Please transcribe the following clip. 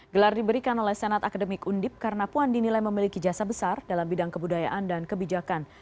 gelar diberikan oleh senat akademik undip karena puan dinilai memiliki jasa besar dalam bidang kebudayaan dan kebijakan